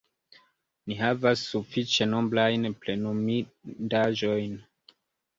Ni havas sufiĉe nombrajn plenumindaĵojn.